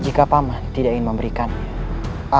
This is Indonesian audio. jika pak mahan tidak ingin memberikannya